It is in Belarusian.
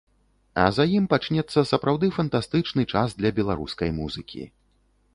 А за ім пачнецца сапраўды фантастычны час для беларускай музыкі.